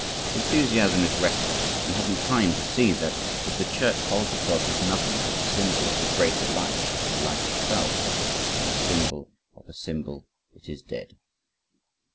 Enthusiasm is restless and hasn't time to see that if the church holds itself as nothing but the symbol of the greater light it is life itself as a symbol of a symbol it is dead.